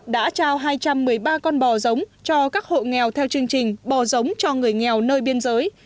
đã trao hai trăm một mươi ba con bò giống cho các hộ nghèo theo chương trình bò giống cho người nghèo nơi biên giới